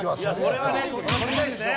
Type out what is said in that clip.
それはね取りたいですね。